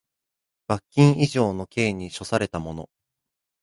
罰金以上の刑に処せられた者